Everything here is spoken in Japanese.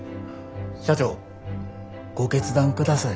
社長ご決断ください。